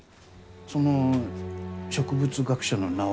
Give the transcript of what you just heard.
その植物学者の名は？